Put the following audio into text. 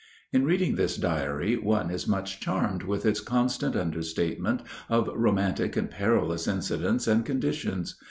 In reading this diary one is much charmed with its constant understatement of romantic and perilous incidents and conditions.